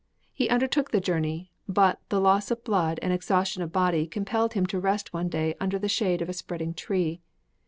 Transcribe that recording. He undertook the journey, but loss of blood and exhaustion of body compelled him to rest one day under the shade of a spreading tree.